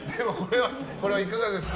これはいかがですか。